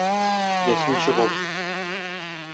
Ясин чыгу.